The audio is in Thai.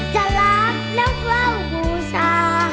จะรักแล้วเพิ่มภูชา